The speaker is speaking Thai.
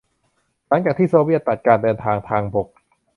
หลังจากที่โซเวียตตัดการเดินทางทางบก